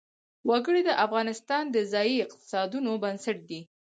وګړي د افغانستان د ځایي اقتصادونو بنسټ دی.